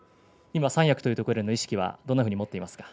今、三役というところの意識はどんなふうに思っていますか？